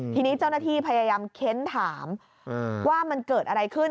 ทีนี้เจ้าหน้าที่พยายามเค้นถามว่ามันเกิดอะไรขึ้น